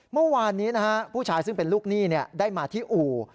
เมื่อวานนี้นะฮะผู้ชายซึ่งเป็นลูกหนี้ได้มาที่อู่